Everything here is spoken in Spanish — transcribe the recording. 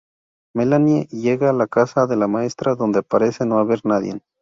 Melanie llega a la casa de la maestra, donde parece no haber nadie.